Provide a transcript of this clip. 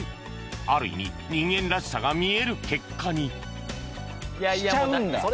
ある意味人間らしさが見える結果に